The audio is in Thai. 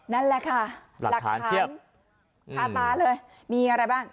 นั่นแหละค่ะหลักฐานพาป๊าเลยมีอะไรบ้าง